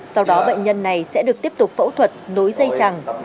sau đó bệnh nhân này sẽ được tiếp tục phẫu thuật nối dây chẳng